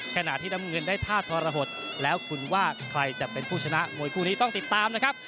ขณะที่น้ำเงินได้ท่าทรหดแล้วคุณว่าใครจะเป็นผู้ชนะมวยคู่นี้ต้องติดตามนะครับ